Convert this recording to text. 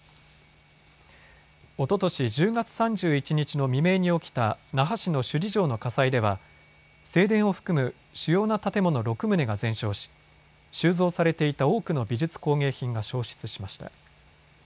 おととし１０月３１日の未明に起きた那覇市の首里城の火災では正殿を含む主要な建物６棟が全焼し収蔵されていた多くの美術工芸品が焼失しました。